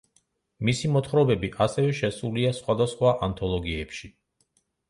მისი მოთხრობები ასევე შესულია სხვადასხვა ანთოლოგიებში.